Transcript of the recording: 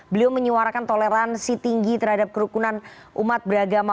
beliau menyuarakan toleransi tinggi terhadap kerukunan umat beragama